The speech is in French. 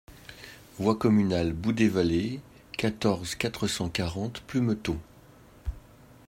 Voie Communale Bout des Vallées, quatorze, quatre cent quarante Plumetot